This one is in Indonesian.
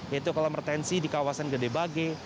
yaitu kolam retensi di kawasan gedebage